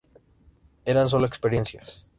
Eran solo experiencias.